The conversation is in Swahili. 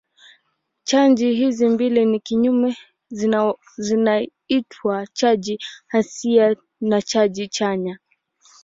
Chaji hizi mbili ni kinyume zinaitwa chaji hasi na chaji chanya.